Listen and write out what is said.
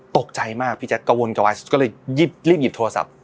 ตกใจมากพี่แจ๊กระวนกระวายก็เลยรีบหยิบโทรศัพท์